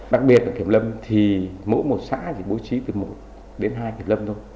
đặc biệt là kiểm lâm thì mỗi một xã chỉ bố trí từ một đến hai kiểm lâm thôi